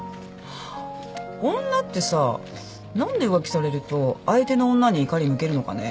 女ってさ何で浮気されると相手の女に怒り向けるのかね？